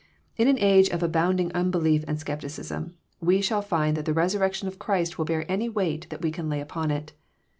In an age of abounding unbelief and scepticism, we shall find that the resurrection of Christ will bear any weight that we can lay upon it.